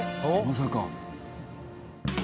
まさか。